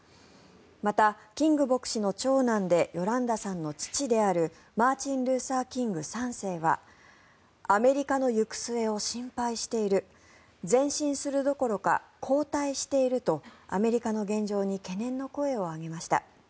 また、キング牧師の長男でヨランダさんの父であるマーチン・ルーサー・キング３世はアメリカの行く末を心配している前進するどころか後退しているとアメリカの現状に懸念の声を上げました。